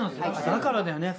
だからだよね。